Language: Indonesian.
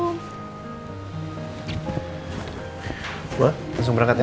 mbak langsung berangkat ya